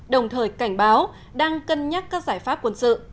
đồng thời cảnh báo đang cân nhắc các giải pháp quân sự